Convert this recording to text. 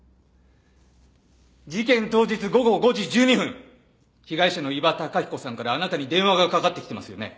事件当日午後５時１２分被害者の伊庭崇彦さんからあなたに電話がかかってきてますよね。